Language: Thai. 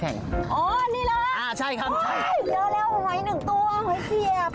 อ๋อนี่เหรอโอ๊ยเดี๋ยวแล้วผมไหวหนึ่งตัวหอยเสียบ